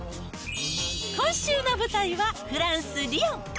今週の舞台はフランス・リヨン。